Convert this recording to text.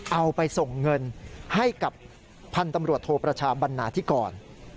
เอาไปส่งเงินให้กับพันธุ์ตำรวจโทประชาบันนาธิกร